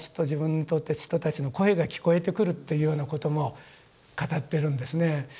自分にとって人たちの声が聞こえてくるっていうようなことも語ってるんですね。